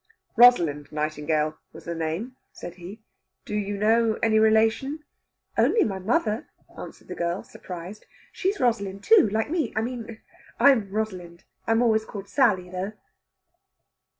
"Rosalind Nightingale was the name," said he. "Do you know any relation " "Only my mother," answered the girl, surprised. "She's Rosalind, too, like me. I mean, I'm Rosalind. I am always called Sally, though."